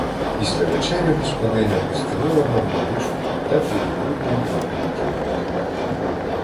Після вечері господиня постелила нам на ліжку під теплою грубою у другій кімнаті.